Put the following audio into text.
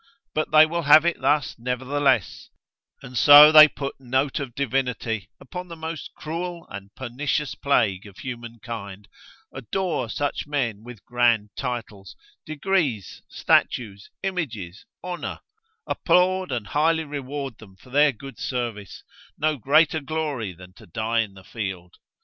But they will have it thus nevertheless, and so they put note of divinity upon the most cruel and pernicious plague of human kind, adore such men with grand titles, degrees, statues, images, honour, applaud, and highly reward them for their good service, no greater glory than to die in the field.